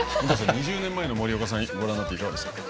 ２０年前の森岡さんご覧になっていかがでしょうか。